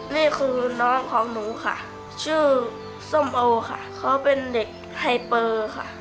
นี่คือน้องของหนูค่ะชื่อส้มโอค่ะเขาเป็นเด็กไฮเปอร์ค่ะ